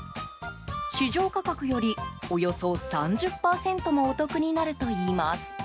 市場価格よりおよそ３０％もお得になるといいます。